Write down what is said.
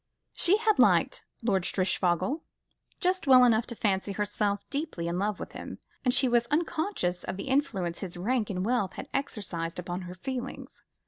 She had liked Lord Strishfogel just well enough to fancy herself deeply in love with him, and she was unconscious of the influence his rank and wealth had exercised upon her feelings.